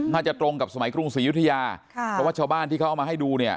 น่าจะตรงกับสมัยกรุงศรียุทยาเพราะว่าชาวบ้านที่เขาเอามาให้ดู